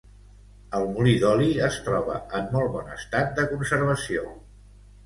El molí d'oli es troba en molt bon estat de conservació.